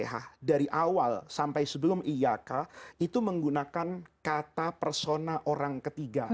aa al fatihah dari awal sampai sebelum ia k itu menggunakan kata persona orang ketiga karena